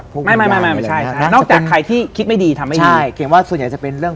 นอกจากใครที่คิดไม่ดีทำให้เขิน